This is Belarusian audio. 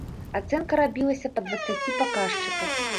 Ацэнка рабілася па дваццаці паказчыках.